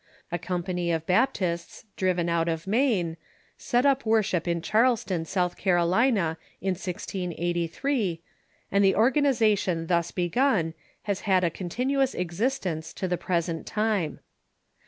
A company of Baptists, driven out of Maine, set up worship in Charleston, South Caro lina, in 168.3, and the organization thus begun has liad a con tinuous existence to the present time.